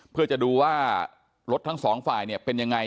เพื่อจะดูว่ารถทั้งสองฝ่ายเนี่ยเป็นยังไง